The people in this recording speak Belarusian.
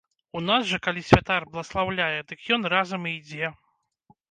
У нас жа, калі святар бласлаўляе, дык ён разам і ідзе.